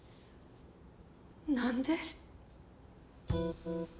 何で？